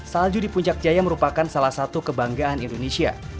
salju di puncak jaya merupakan salah satu kebanggaan indonesia